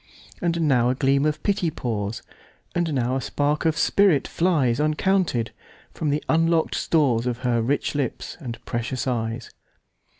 And now a gleam of pity pours, And now a spark of spirit flies, Uncounted, from the unlock'd storesOf her rich lips and precious eyes.